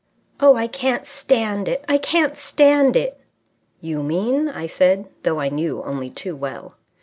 "Oh, I can't stand it! I can't stand it!" "You mean...?" I said, though I knew only too well.